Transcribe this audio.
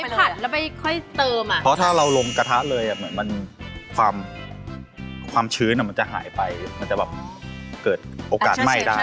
มันผัดแล้วไม่ค่อยเติมอ่ะเพราะถ้าเราลงกระทะเลยเหมือนมันความความชื้นอ่ะมันจะหายไปมันจะแบบเกิดโอกาสไหม้ได้